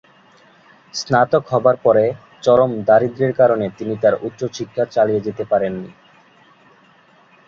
স্নাতক হবার পরে, চরম দারিদ্র্যের কারণে তিনি তার উচ্চশিক্ষা চালিয়ে যেতে পারেননি।